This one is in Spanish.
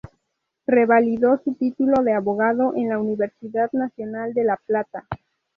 Revalidó su título de abogado en la Universidad Nacional de La Plata.